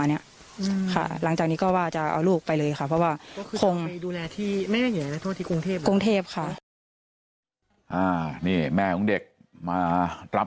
แล้วเขาตั้งใจทำลูกเราจริงมัน